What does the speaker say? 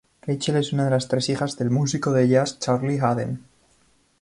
Rachel es una de las tres hijas del músico de jazz Charlie Haden.